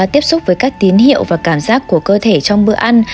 tiếp xúc với các tín hiệu và cảm giác của cơ thể trong bữa ăn